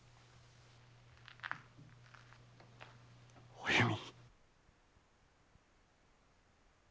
お弓。